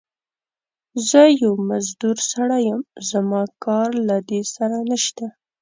زه يو مزدور سړی يم، زما کار له دې سره نشته.